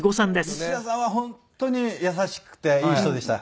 西田さんは本当に優しくていい人でした。